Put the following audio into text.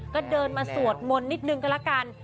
ก็เดินมาสวดมนต์นิดนึงก็แล้วกัน